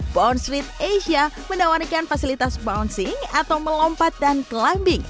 bond street asia menawarkan fasilitas bouncing atau melompat dan climbing